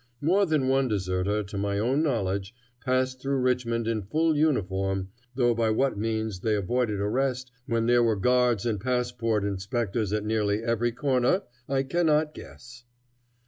More than one deserter, to my own knowledge, passed through Richmond in full uniform, though by what means they avoided arrest, when there were guards and passport inspectors at nearly every corner, I cannot guess.